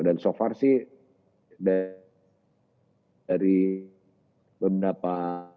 dan so far sih dari beberapa